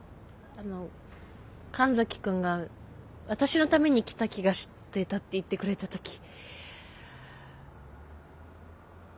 あの神崎君が「私のために来た気がしてた」って言ってくれた時。